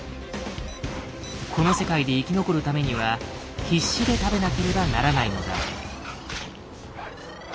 この世界で生き残るためには必死で食べなければならないのだ。